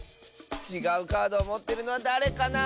ちがうカードをもってるのはだれかな？